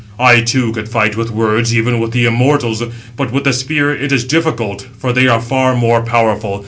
I, too, could fight with words even with the immortals, but with the spear it is difficult, for they are far more powerful.